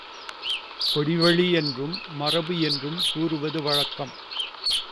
கொடிவழி என்றும், மரபு என்றும் கூறுவது வழக்கம்.